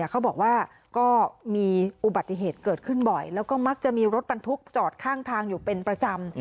เขาบอกว่าก็มีอุบัติเหตุเกิดขึ้นบ่อยแล้วก็มักจะมีรถบรรทุกจอดข้างทางอยู่เป็นประจำ